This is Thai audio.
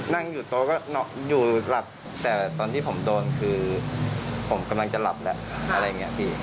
นั่งอยู่โต๊ะก็อยู่หลับแต่ตอนที่ผมโดนคือผมกำลังจะหลับแล้วอะไรอย่างนี้พี่